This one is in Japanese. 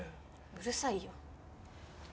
うるさいよ。